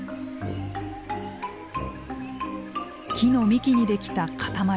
木の幹に出来た塊。